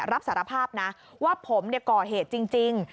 รับสารภาพนะว่าผมก่อเหตุจริง